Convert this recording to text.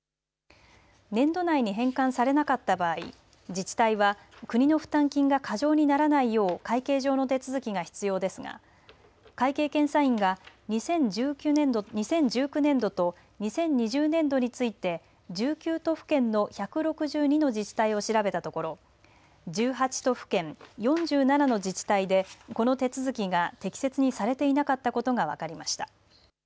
年度内に返還されなかった場合自治体は国の負担金が過剰にならないよう会計上の手続きが必要ですが会計検査院が２０１９年度と２０２０年度について１９都府県の１６２の自治体を調べたところ１８都府県、４７の自治体でこの手続きが適切にされていなかったことが分かりました。